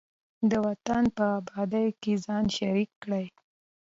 د وطن په ابادۍ کې ځان شریک کړئ.